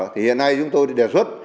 thì hiện nay chúng tôi đề xuất